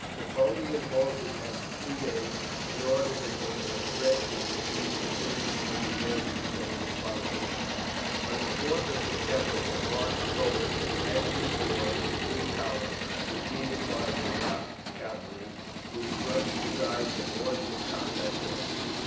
Napoleon halted them for two days, in order that they might rest and receive provisions from the baggage trains following. On the 4th of September they marched forward as before, in three columns, preceded by Murat's cavalry, which brushed aside the hordes of Cossack horse.